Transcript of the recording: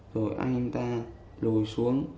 rồi anh ta đùi xuống